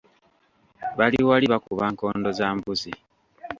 Bali wali bakuba nkondo za mbuzi.